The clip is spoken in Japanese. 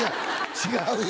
違うよ